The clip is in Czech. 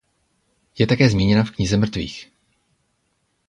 Je také zmíněna v "Knize mrtvých".